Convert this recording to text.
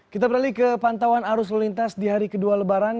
kita beralih ke pantauan arus lalu lintas di hari kedua lebaran